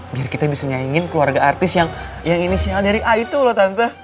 biar kita bisa nyaingin keluarga artis yang inisial dari a itu loh tante